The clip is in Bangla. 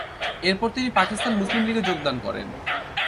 এরপর তিনি পাকিস্তান মুসলিম লীগে যোগদান করেন।